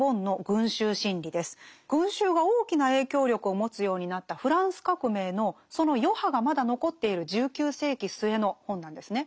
群衆が大きな影響力を持つようになったフランス革命のその余波がまだ残っている１９世紀末の本なんですね。